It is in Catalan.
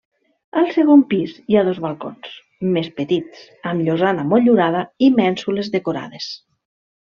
Al segon pis hi ha dos balcons més petits amb llosana motllurada i mènsules decorades.